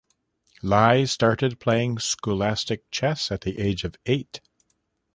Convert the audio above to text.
Lie started playing scholastic chess at the age of eight.